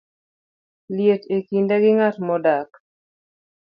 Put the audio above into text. liet e kinda gi ng'at modak